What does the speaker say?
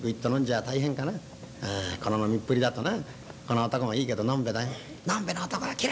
あこの飲みっぷりだとなこの男もいいけど飲んべえだよ。